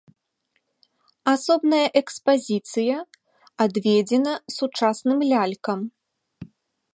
Асобная экспазіцыя адведзена сучасным лялькам.